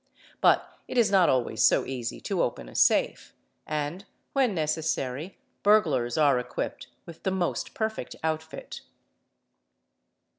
But it is not always so easy to open a safe and, when necessary, burglars are equipped with the most derfect outfit.